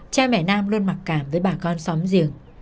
cha mẹ nam luôn mặc cảm với bà con xóm giềng